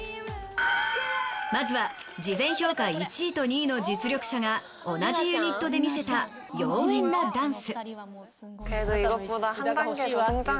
まずは事前評価１位と２位の実力者が同じユニットで見せた妖艶なダンス。